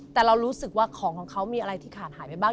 แต่เรารู้สึกว่าของของเขามีอะไรที่ขาดหายไปบ้าง